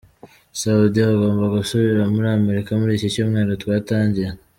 Soudy agomba gusubira muri Amerika muri iki cyumweru twatangiye.